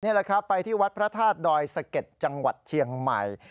นี่แหละครับไปที่วัดพระธาตุดอยสะเก็ดจังหวัดเชียงใหม่